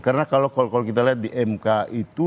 karena kalau kita lihat di mk itu